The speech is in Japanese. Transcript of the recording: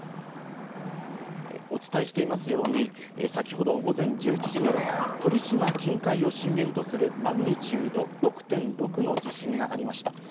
お伝えしていますように先ほど午前１１時ごろ、鳥島近海を震源とするマグニチュード６．６の地震がありました。